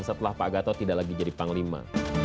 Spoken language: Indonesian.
setelah pak gatot tidak lagi jadi panglima